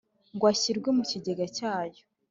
ngo ashyirwe mu kigega cya yo